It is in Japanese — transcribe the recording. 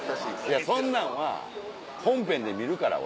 いやそんなんは本編で見るから俺。